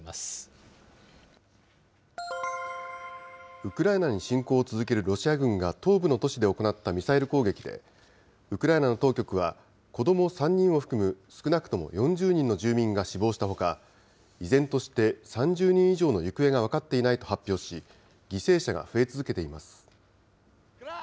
ウクライナに侵攻を続けるロシア軍が東部の都市で行ったミサイル攻撃で、ウクライナの当局は、子ども３人を含む少なくとも４０人の住民が死亡したほか、依然として３０人以上の行方が分かっていないと発表し、犠牲者が増え続けています。